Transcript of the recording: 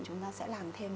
chúng ta sẽ làm thêm